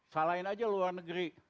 salahin aja luar negeri